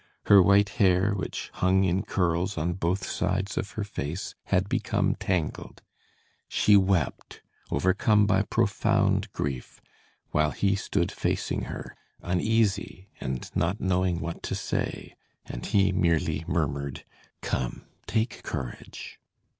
Her white hair, which hung in curls on both sides of her face, had become tangled. She wept, overcome by profound grief, while he stood facing her, uneasy and not knowing what to say, and he merely murmured: "Come, take courage."